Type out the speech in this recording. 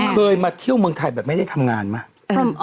เคยมาเที่ยวเมืองไทยแบบไม่ได้ทำงานไหม